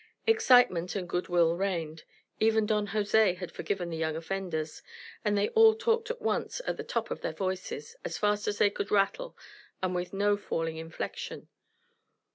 Excitement and good will reigned; even Don Jose had forgiven the young offenders, and they all talked at once, at the top of their voices, as fast as they could rattle and with no falling inflection.